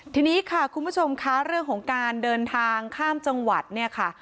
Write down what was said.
ทีนี้ค่ะคุณผู้ชมค่ะเรื่องของการเดินทางข้ามจังหวัดเนี่ยค่ะ